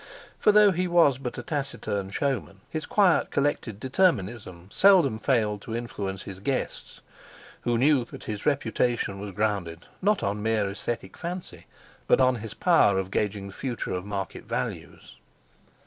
For though he was but a taciturn showman, his quiet collected determinism seldom failed to influence his guests, who knew that his reputation was grounded not on mere aesthetic fancy, but on his power of gauging the future of market values.